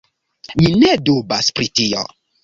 Mi ne dubas pri tio.